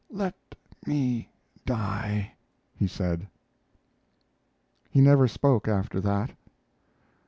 "Let me die," he said. He never spoke after that.